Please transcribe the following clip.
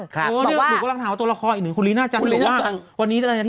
ตรงนี้คือพี่กำลังถามตัวละครอีกหนึ่งคุณลีน่าจังหรือว่า